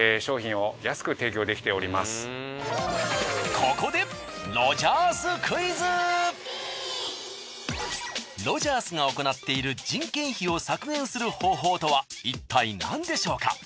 ここでロヂャースが行っている人件費を削減する方法とはいったい何でしょうか？